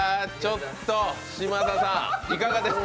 嶋佐さん、いかがですか？